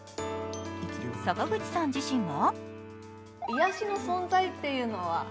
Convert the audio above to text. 坂口さん自身は？